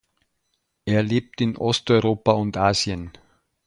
Er lebt in Osteuropa und Asien.